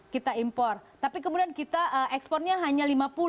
kita impor tapi kemudian kita ekspornya hanya lima puluh